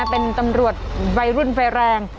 เป็นตำรวจวัยรุ่นไฟแรง